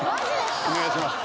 お願いします。